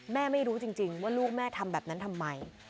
ไม่รู้จริงว่าลูกแม่ทำแบบนั้นทำไม